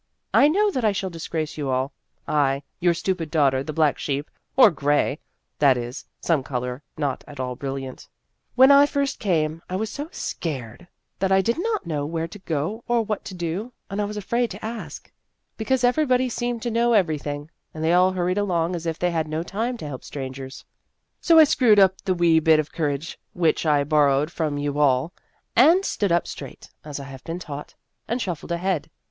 I know that I shall disgrace you all I, your stupid daughter, the black sheep, or gray, that is, some color not at all brilliant. " When I first came, I was so * scared ' that I did not know where to go or what to do, and I was afraid to ask, because everybody seemed to know everything, and they all hurried along as if they had no time to help strangers, So I screwed 196 Vassar Studies up the wee bit of courage which I bor rowed from ' you all,' and stood up straight, as I have been taught, and shuffled ahead.